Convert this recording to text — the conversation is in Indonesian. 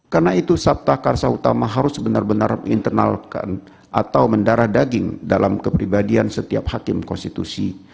karena itu sabta kharsa utama harus benar benar menginternalkan atau mendarah daging dalam kepribadian setiap hakim konstitusi